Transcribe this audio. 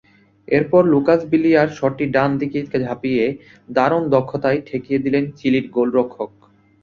এরপর লুকাস বিলিয়ার শটটি ডান দিকে ঝাঁপিয়ে দারুণ দক্ষতায় ঠেকিয়ে দিলেন চিলির গোলরক্ষক।